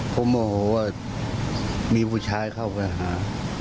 ผมโมโหว่ามีผู้ชายเข้าไปหา